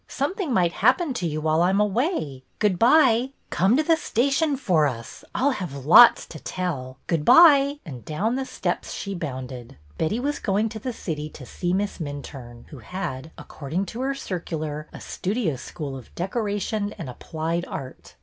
Something might happen to you while I 'm away. Good by ! Come to the station for us. I 'll have .lots to tell. Good by !" and down the steps she bounded. Betty was going to the city to see Miss Min turne, who had, according to her circular, a studio school of Decoration and Applied Art.